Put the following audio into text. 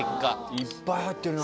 いっぱい入ってるな。